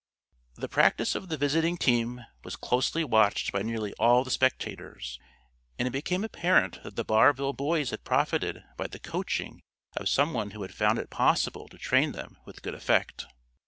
The practice of the visiting team was closely watched by nearly all the spectators, and it became apparent that the Barville boys had profited by the coaching of some one who had found it possible to train them with good effect.